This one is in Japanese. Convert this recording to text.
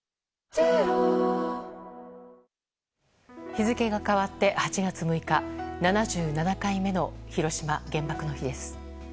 日付が変わって８月６日７７回目の広島原爆の日です。